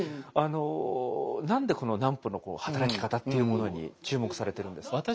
あの何でこの南畝の働き方っていうものに注目されてるんですか？